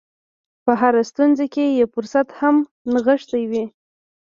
په هره ستونزه کې یو فرصت هم نغښتی وي